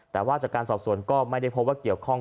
แต่ว่าจากการสอบสวนก็ไม่ได้พบว่าเกี่ยวข้อง